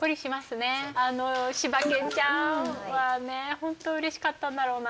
ホントうれしかったんだろうな。